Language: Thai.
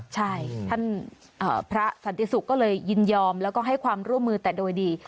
ใช่ท่านพระสันติศุกร์ก็เลยยินยอมแล้วก็ให้ความร่วมมือแต่โดยดี